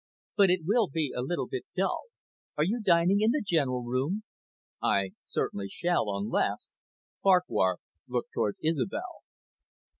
But it will be a little bit dull. Are you dining in the general room?" "I certainly shall unless " Farquhar looked towards Isobel.